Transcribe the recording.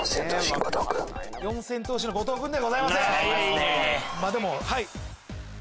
四千頭身の後藤君ではございません。